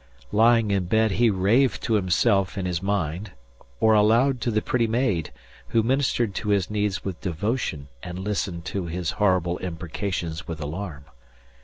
Lying in bed he raved to himself in his mind or aloud to the pretty maid who ministered to his needs with devotion and listened to his horrible imprecations with alarm.